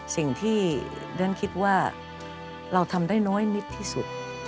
สิ่งที่เรียนคิดว่าเราทำได้น้อยนิดที่สุด